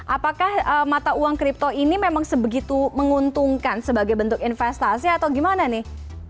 apakah mata uang kripto ini memang sebegitu menguntungkan sebagai bentuk investasi atau gimana nih